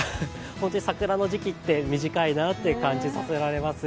本当に桜の時期って短いなって感じさせられます。